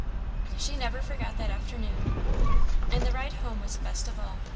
She never forgot that afternoon. And the ride home was the best of all.